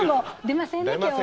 出ませんよ。